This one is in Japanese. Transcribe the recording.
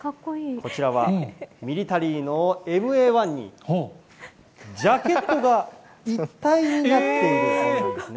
こちらはミリタリーのＭＡー１に、ジャケットが一体になっている感じですね。